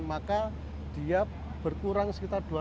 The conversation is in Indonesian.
maka dia berkurang sekitar dua ratus hektar